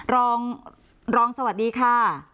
รองรองสวัสดีค่ะ